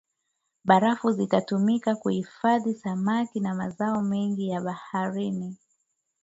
Barafu zitatumika kuhifadhia samaki na mazao mengine ya baharini